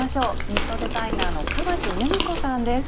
ニットデザイナーの川路ゆみこさんです。